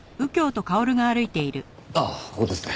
あっここですね。